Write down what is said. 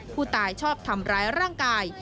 ผู้ตายชอบทำร้ายร่างกาย